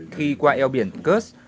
khi qua eo biển kerch